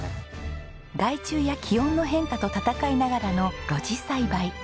害虫や気温の変化と闘いながらの露地栽培。